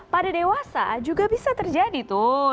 pada dewasa juga bisa terjadi tuh